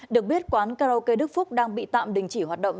được biết quán karaoke đức phúc đang bị tạm đình chỉ hoạt động